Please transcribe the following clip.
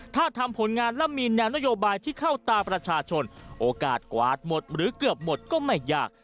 ถ้าทำผลงานแล้วมีแนวนโยบายที่เข้าตาประชาชนโอกาสกวาดหมดหรือเกือบหมดก็ไม่ยาก